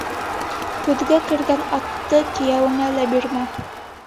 Көҙгә кергән атты кейәүеңә лә бирмә.